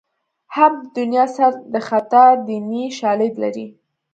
حب د دنیا سر د خطا دیني شالید لري